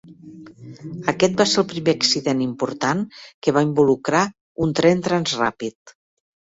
Aquest va ser el primer accident important que va involucrar un tren Transrapid.